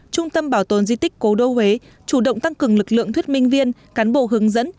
trung tâm bảo tồn di tích cố đô huế chủ động tăng cường lực lượng thuyết minh viên cán bộ hướng dẫn